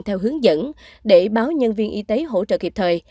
theo hướng dẫn để báo nhân viên y tế hỗ trợ kịp thời